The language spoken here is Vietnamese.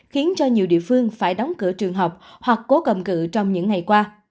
khiến cho nhiều địa phương phải đóng cửa trường học hoặc cố cầm cự trong những ngày qua